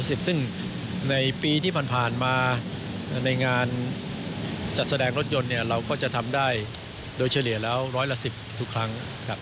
ซึ่งในปีที่ผ่านมาในงานจัดแสดงรถยนต์เนี่ยเราก็จะทำได้โดยเฉลี่ยแล้วร้อยละ๑๐ทุกครั้งครับ